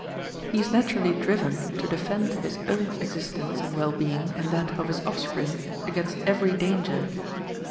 He is naturally driven to defend his own existence and well being and that of his offspring against every danger.